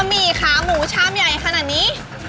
หมี่ขาหมูชามใหญ่ขนาดนี้